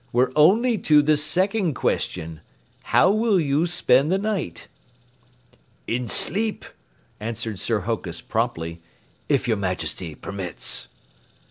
"We're only to the second question. How will you spend the night?" "In sleep," answered Sir Hokus promptly, "if your Majesty permits."